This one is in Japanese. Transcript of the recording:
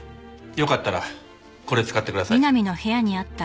よかったらこれ使ってください。